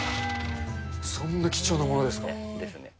そんな貴重なものですか。ですね。